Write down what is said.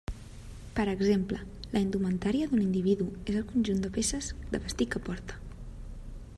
Per exemple, la indumentària d'un individu és el conjunt de peces de vestir que porta.